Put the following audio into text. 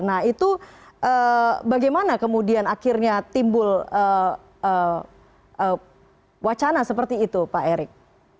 nah itu bagaimana kemudian akhirnya timbul wacana seperti itu pak erick